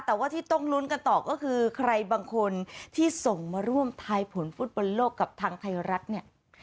แต่ว่าที่ต้องลุ้นกันต่อก็คือใครบางคนที่ส่งมาร่วมทายผลฟุตบอลโลกกับทางไทยรัฐเนี่ย